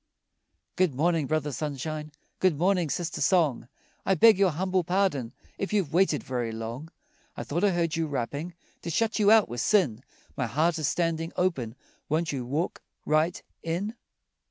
Good morning, Brother Sunshine, Good morning, Sister Song, I beg your humble pardon If you've waited very long. I thought I heard you rapping, To shut you out were sin, My heart is standing open, Won't you walk right in?